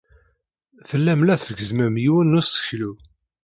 Tellam la tgezzmem yiwen n useklu.